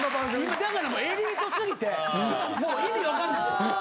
だからもうエリート過ぎてもう意味わかんないですよ。